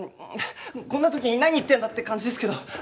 こんな時に何言ってんだって感じですけど。